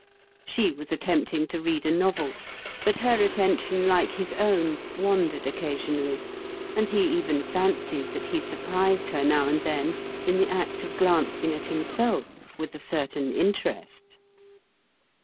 She w r as attempting to read a novel ; but her attention, like his own, wandered occasionally, and he even fancied that he surprised her now and then in the act of glancing at himself with a certain interest.